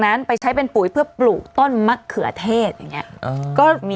นั้นไปใช้เป็นปุ๋ยเพื่อปลูกต้นมะเขือเทศอย่างเงี้ก็มี